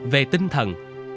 về tinh thần